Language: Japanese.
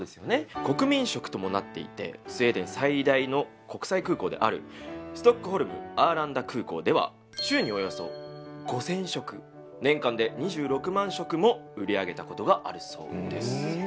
国民食ともなっていてスウェーデン最大の国際空港であるストックホルム・アーランダ空港では週におよそ５，０００食年間で２６万食も売り上げたことがあるそうです。